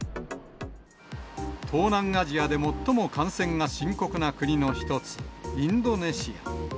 東南アジアで最も感染が深刻な国の一つ、インドネシア。